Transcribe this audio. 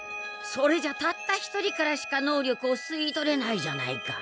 それじゃたった一人からしか能力を吸い取れないじゃないか。